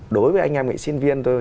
đối với anh em nghệ sinh viên thôi